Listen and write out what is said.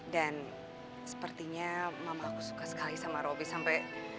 dan sepertinya mama aku suka sekali sama roby